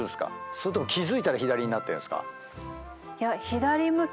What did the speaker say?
それとも気付いたら左になってるんですか？